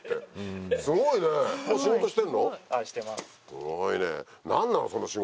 すごいね。